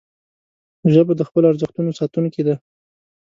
ژبه د خپلو ارزښتونو ساتونکې ده